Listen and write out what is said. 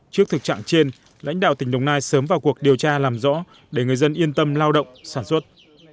trước thực trạng trên lãnh đạo tỉnh đồng nai sớm vào cuộc điều tra làm rõ để người dân yên tâm lao động sản xuất